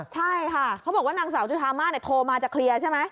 ใช่ค่ะเขาบอกว่านางสาวจุธามาโทรมาจะเคลียร์ใช่ไหม